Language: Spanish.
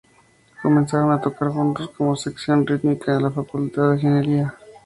Comenzaron a tocar juntos como sección rítmica en la facultad de ingeniería.